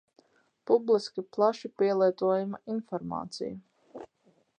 Publiski plaši pielietojama informācija.